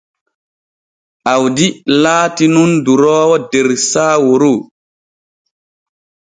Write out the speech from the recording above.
Awdi laati nun duroowo der Saaworu.